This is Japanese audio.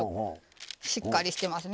しっかりしてますね